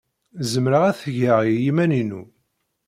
Zemreɣ ad t-geɣ i yiman-inu.